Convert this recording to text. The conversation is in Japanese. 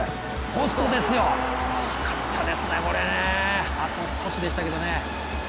ポストですよ、惜しかったですね、あと少しでしたけどね。